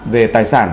về tài sản